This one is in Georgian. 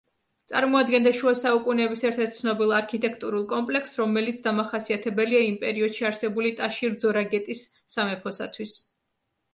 წარმოადგენდა შუა საუკუნეების ერთ-ერთ ცნობილ არქიტექტურულ კომპლექსს, რომელიც დამახასიათებელია იმ პერიოდში არსებული ტაშირ-ძორაგეტის სამეფოსათვის.